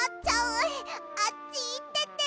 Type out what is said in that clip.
あっちいってて！